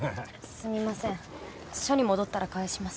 すみません署に戻ったら返します。